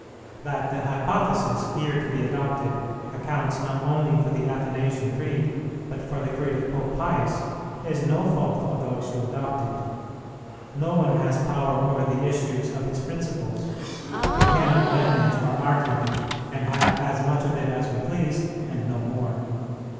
That the hypothesis, here to be adopted, accounts not only for the Athanasian Creed, but for the Creed of Pope Pius, is no fault of those who adopt it. No one has power over the issues of his principles; we cannot manage our argument, and have as much of it as we please and no more.